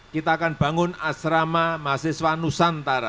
kita akan bangun asrama masi suanusantara